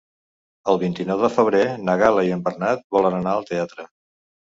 El vint-i-nou de febrer na Gal·la i en Bernat volen anar al teatre.